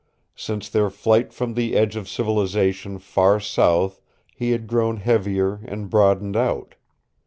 Since their flight from the edge of civilization far south he had grown heavier and broadened out.